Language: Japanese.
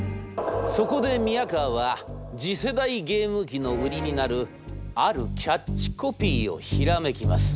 そこで宮河は次世代ゲーム機の売りになるあるキャッチコピーをひらめきます」。